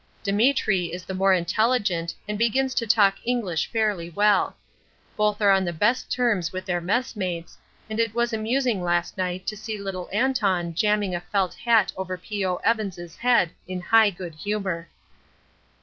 Demetri is the more intelligent and begins to talk English fairly well. Both are on the best terms with their mess mates, and it was amusing last night to see little Anton jamming a felt hat over P.O. Evans' head in high good humour.